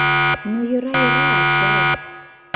Ну, йӧра-йӧра, «ачай»!